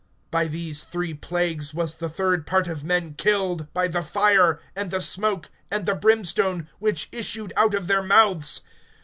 (18)By these three plagues was the third part of men killed, by the fire, and the smoke, and the brimstone, which issued out of their mouths.